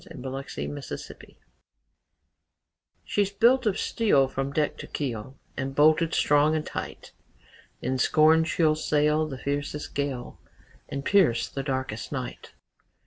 THE WORD OF AN ENGINEER "She's built of steel From deck to keel, And bolted strong and tight; In scorn she'll sail The fiercest gale, And pierce the darkest night.